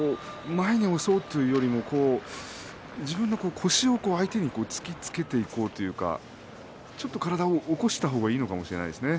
前に押そうというよりも自分の腰を相手に突きつけていこうというかちょっと体を起こした方がいいのかもしれませんね